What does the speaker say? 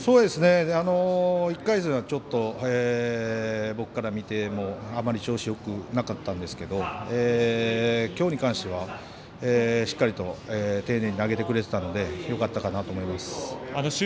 １回戦は僕から見てもあんまり調子がよくなかったんですけどきょうに関しては、しっかりと丁寧に投げてくれてたんでよかったと思います。